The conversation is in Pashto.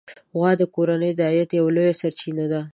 غوا د کورنۍ د عاید یوه لویه سرچینه ده.